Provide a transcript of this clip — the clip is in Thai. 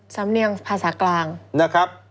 สำเนียงภาษากลางนะครับ